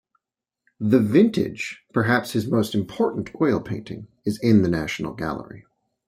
The "Vintage", perhaps his most important oil painting, is in the National Gallery.